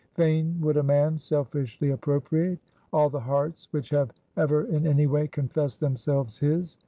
Fain would a man selfishly appropriate all the hearts which have ever in any way confessed themselves his.